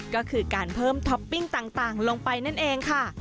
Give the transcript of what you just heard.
ก็คือการเพิ่มท็อปปิ้งต่างลงไปนั่นเองค่ะ